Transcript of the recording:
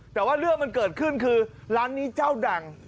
แต่ว่าเรื่องมันเกิดขึ้นคือร้านนี้เจ้าดัง